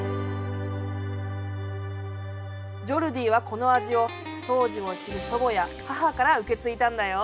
ジョルディはこの味を当時を知る祖母や母から受け継いだんだよ。